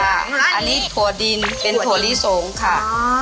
อันนี้ถั่วดินเป็นถั่วลิสงค่ะ